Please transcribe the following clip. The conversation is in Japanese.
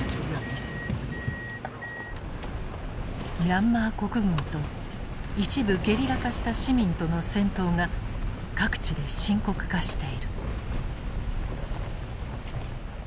ミャンマー国軍と一部ゲリラ化した市民との戦闘が各地で深刻化している。